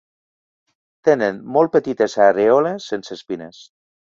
Tenen molt petites arèoles sense espines.